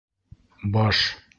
Баш